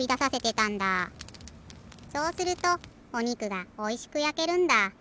そうするとおにくがおいしくやけるんだ。